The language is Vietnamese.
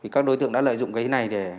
các đối tượng đã lợi dụng cái này để